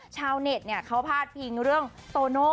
ชาวเน็ตเขาพาดพิงเรื่องโตโน่